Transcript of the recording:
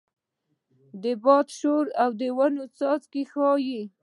د باد شور د ونو څانګې ښوروي.